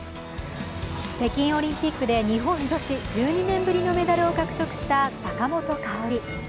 北京オリンピックで日本女子１２年ぶりのメダルを獲得した坂本花織。